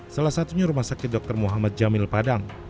salah satunya rumah sakit dr muhammad jamil padang